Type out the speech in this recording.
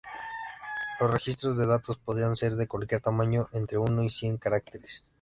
Los registros de datos podían ser de cualquier tamaño entre uno y cien caracteres.